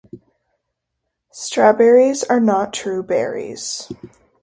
Strawberries are not true berries.